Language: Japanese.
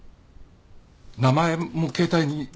名前も携帯に。